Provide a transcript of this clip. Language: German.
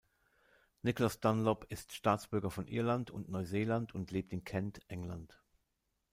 Nicholas Dunlop ist Staatsbürger von Irland und Neuseeland und lebt in Kent, England.